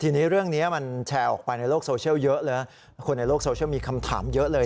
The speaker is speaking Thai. ทีนี้เรื่องนี้มันแชร์ออกไปในโลกโซเชียลเยอะนะคนในโลกโซเชียลมีคำถามเยอะเลย